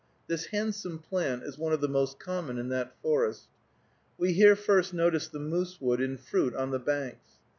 This handsome plant is one of the most common in that forest. We here first noticed the moose wood in fruit on the banks.